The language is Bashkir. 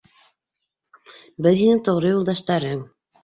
Беҙ һинең тоғро юлдаштарың.